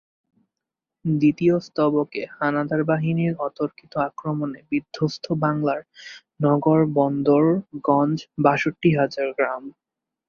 দ্বিতীয় স্তবকে হানাদার বাহিনীর অতর্কিত আক্রমণে বিধ্বস্ত বাংলার নগর-বন্দর-গঞ্জ-বাষট্টি হাজার গ্রাম।